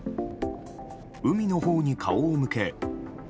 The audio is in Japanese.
海のほうに顔を向け。